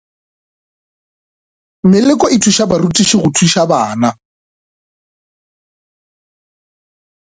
Meleko e thuša barutiši go thuša bana.